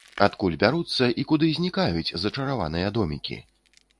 Адкуль бяруцца і куды знікаюць зачараваныя домікі?